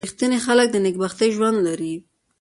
• رښتیني خلک د نېکبختۍ ژوند لري.